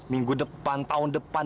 minggu depan tahun depan